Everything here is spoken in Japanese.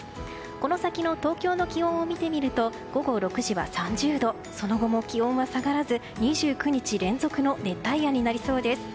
この先の東京の気温を見てみると午後６時は３０度その後も気温は下がらず２９日連続の熱帯夜になりそうです。